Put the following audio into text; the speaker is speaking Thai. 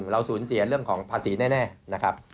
เราสูญเสียเรื่องของภาษีแน่นะครับ